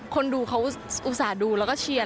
คนดูเขาอุตส่าห์ดูแล้วก็เชียร์